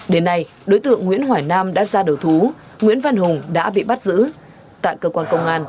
đến nay đối tượng nguyễn hỏi nam đã ra đầu thú nguyễn văn hùng đã bị bắt giữ tại cơ quan công an